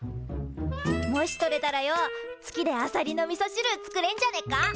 もし採れたらよ月であさりのみそしる作れんじゃねっか？